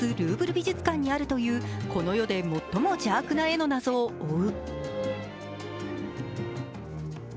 フランス・ルーヴル美術館にあるというこの世で最も邪悪な絵の謎を追う。